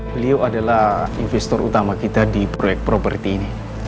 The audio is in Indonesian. beliau adalah investor utama kita di proyek properti ini